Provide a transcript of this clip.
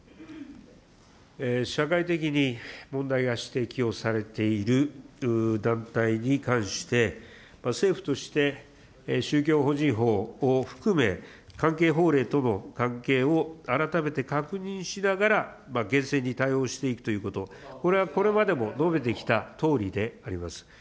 社会的に問題が指摘をされている団体に関して、政府として宗教法人法を含め、関係法令とも関係を改めて確認しながら、厳正に対応していくということ、これはこれまでも述べてきたとおりであります。